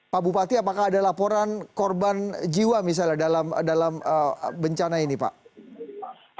pak bupati apakah ada laporan korban jiwa misalnya dalam bencana ini pak